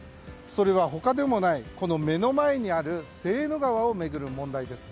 それは他ではない目の前にあるセーヌ川を巡る問題です。